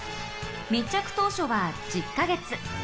密着当初は１０か月。